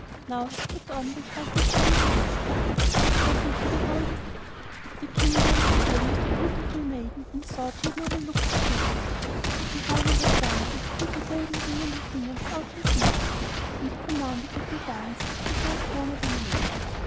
Now she put on the dress as shining as the stars, and stepped into the hall in it. The King danced again with the beautiful maiden, and thought she had never looked so beautiful. And while he was dancing, he put a gold ring on her finger without her seeing it, and he commanded that the dance should last longer than usual.